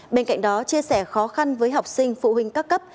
bên cạnh đó chia sẻ khó khăn với học sinh phụ huynh các cấp